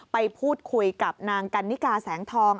ไปพูดคุยกับนางกันนิกาแสงทอง